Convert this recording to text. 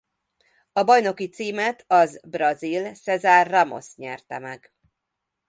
A bajnoki címet az brazil César Ramos nyerte meg.